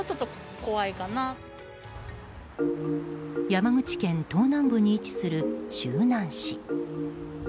山口県東南部に位置する周南市。